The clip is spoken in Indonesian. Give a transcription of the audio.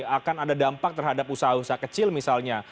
akan ada dampak terhadap usaha usaha kecil misalnya